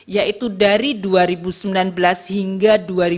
yaitu dari dua ribu sembilan belas hingga dua ribu dua puluh